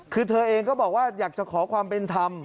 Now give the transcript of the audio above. คือเธอเองก็บอกว่าอยากจะขอความเป็นธรรม